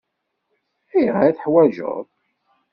Ayɣer i t-teḥwaǧeḍ?